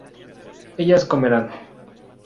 ellas comerán